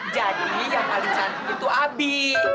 jadi yang paling cantik itu abi